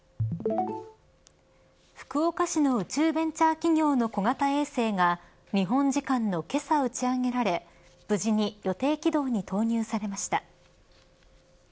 福岡市の宇宙ベンチャー企業の小型衛星が日本時間のけさ、打ち上げられ無事に予定軌道に投入されました。